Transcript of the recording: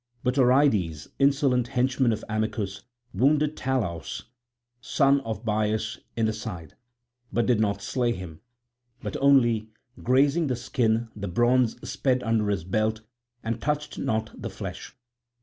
But Oreides, insolent henchman of Amycus, wounded Talaus son of Bias in the side, but did not slay him, but only grazing the skin the bronze sped under his belt and touched not the flesh.